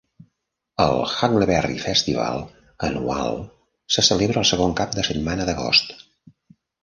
El Huckleberry Festival anual se celebra el segon cap de setmana d'agost.